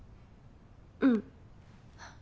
うん。